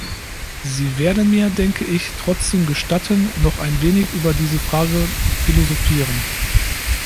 Sie werden mir, denke ich, trotzdem gestatten, noch ein wenig über diese Frage philosophieren.